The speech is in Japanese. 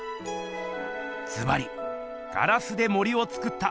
ずばり「ガラスで森をつくった」